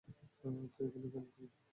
তো এখানে কেন তুমি?